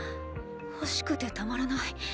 欲しくてたまらない